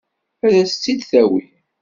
Ad s-tt-id-tawi?